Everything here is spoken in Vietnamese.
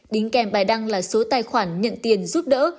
đính kèm bài đăng là số tài khoản nhận tiền giúp đỡ